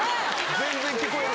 全然聞こえる。